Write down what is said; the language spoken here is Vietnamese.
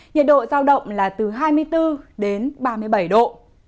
nhiệt độ giao động là từ hai mươi bốn đến ba mươi bảy độ